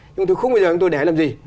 nhưng tôi không bao giờ để làm gì